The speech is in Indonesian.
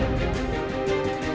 aku tidak tahu